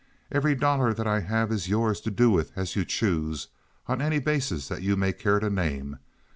Every dollar that I have is yours to do with as you choose on any basis that you may care to name.